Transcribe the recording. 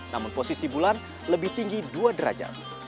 namun posisi bulan lebih tinggi dua derajat